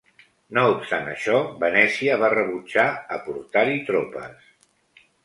No obstant això, Venècia va rebutjar aportar-hi tropes.